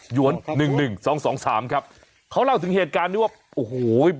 วนหนึ่งหนึ่งสองสองสามครับเขาเล่าถึงเหตุการณ์นี้ว่าโอ้โห